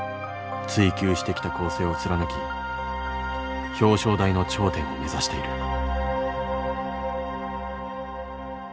追求してきた構成を貫き表彰台の頂点を目指している。